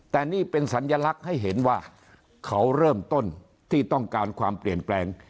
แต่นี่เป็นสัญลักษณ์ให้เห็นว่าเขาเริ่มต้นที่ต้องการความเปลี่ยนแปลง